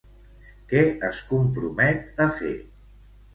Què es compromet a fer?